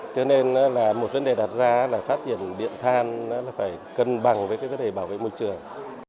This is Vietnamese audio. cho nên là một vấn đề đặt ra là phát triển điện than là phải cân bằng với cái vấn đề bảo vệ môi trường